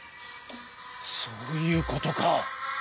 そういうことか！